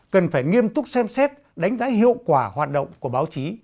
cần phải nghiêm túc xem xét đánh giá hiệu quả hoạt động của báo chí